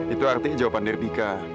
itu artinya jawaban dari dika